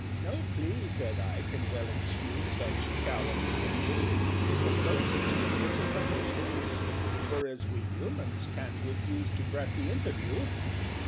"No plea," said I, "can well excuse Such cowardice in you: For Ghosts can visit when they choose, Whereas we Humans ca'n't refuse To grant the interview."